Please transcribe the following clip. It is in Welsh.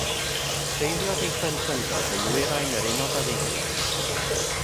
Treuliodd ei phlentyndod yn nwyrain yr Unol Daleithiau.